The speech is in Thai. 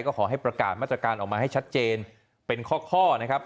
ก็ขอให้ประกาศมาตรการออกมาให้ชัดเจนเป็นข้อนะครับ